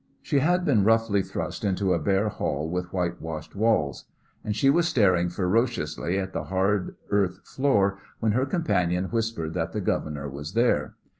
She had been roughly thrust into a bare hall with white washed walls, and she was staring ferociously at the hard earth floor when her companion whispered that the governor was there.